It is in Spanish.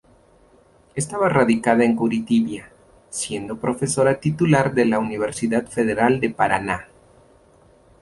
Estaba radicada en Curitiba, siendo profesora titular de la Universidad Federal de Paraná.